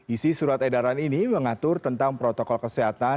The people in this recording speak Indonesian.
isi surat edaran ini mengatur tentang protokol kesehatan